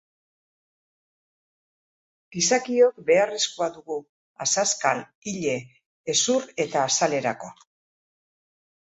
Gizakiok beharrezkoa dugu azazkal, ile, hezur eta azalerako.